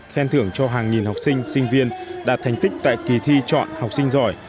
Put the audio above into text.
khen thưởng cho hàng nghìn học sinh sinh viên đạt thành tích tại kỳ thi chọn học sinh giỏi